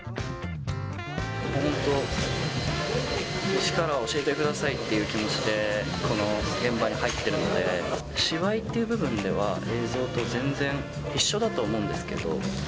本当、一から教えてくださいっていう気持ちで、この現場に入ってるんで、芝居という部分では、映像と全然一緒だと思うんですけど。